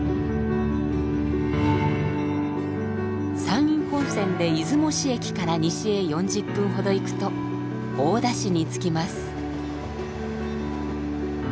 山陰本線で出雲市駅から西へ４０分ほど行くと大田市に着きます。